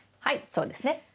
はいそうですね。